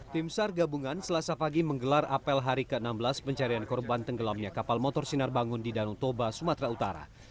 tim sar gabungan selasa pagi menggelar apel hari ke enam belas pencarian korban tenggelamnya kapal motor sinar bangun di danau toba sumatera utara